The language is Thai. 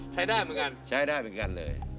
ใช้ได้เหมือนกัน